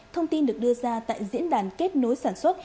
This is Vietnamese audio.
thông tin được đưa ra tại diễn đàn kết nối sản xuất